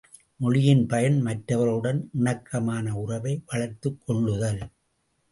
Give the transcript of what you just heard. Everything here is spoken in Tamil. மொழியின் பயன் மற்றவர்களுடன் இணக்கமான உறவை வளர்த்துக் கொள்ளுதல்.